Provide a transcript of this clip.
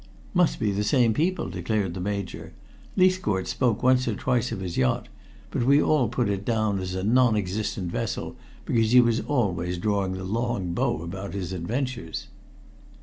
"Must be the same people," declared the Major. "Leithcourt spoke once or twice of his yacht, but we all put it down as a non existent vessel, because he was always drawing the long bow about his adventures."